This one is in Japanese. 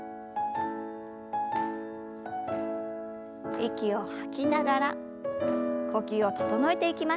息を吐きながら呼吸を整えていきましょう。